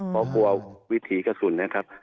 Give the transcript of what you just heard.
เพราะกลัววิถีกระสุนนะครับ